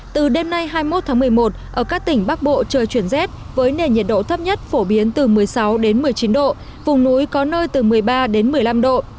từ đêm nay hai mươi một tháng một mươi một ở các tỉnh bắc bộ trời chuyển rét với nền nhiệt độ thấp nhất phổ biến từ một mươi sáu một mươi chín độ vùng núi có nơi từ một mươi ba đến một mươi năm độ